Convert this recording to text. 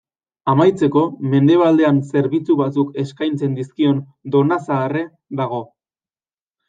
Amaitzeko, mendebaldean zerbitzu batzuk eskaintzen dizkion Donazaharre dago.